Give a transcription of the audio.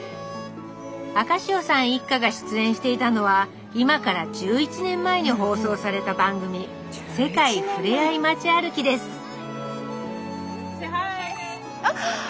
アカシオさん一家が出演していたのは今から１１年前に放送された番組「世界ふれあい街歩き」ですあっ！